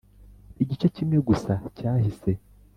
igice kimwe gusa cyahise.